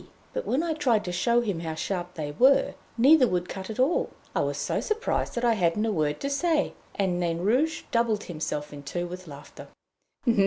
But when I tried to show him how sharp they were, neither would cut at all. I was so surprised that I hadn't a word to say, and Nain Rouge doubled himself in two with laughter.